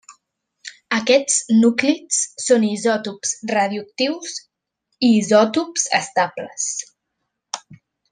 Aquests núclids són isòtops radioactius i isòtops estables.